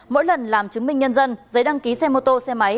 mỗi lần làm chứng minh nhân dân giấy đăng ký xe mô tô xe máy